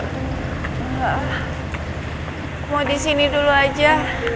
mau di sini dulu aja